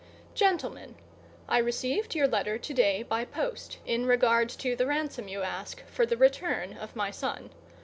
Gentlemen:_ I received your letter to day by post, in regard to the ransom you ask for the return of my son.